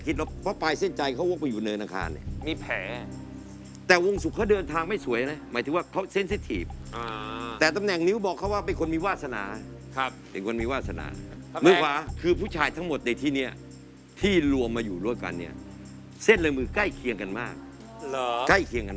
ใกล้เคียงกันมากเช่นในมือขาดตำแหน่งนี้